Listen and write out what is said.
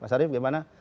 pak sarif gimana